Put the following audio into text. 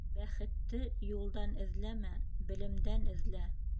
Бәхетте юлдан эҙләмә, белемдән эҙлә.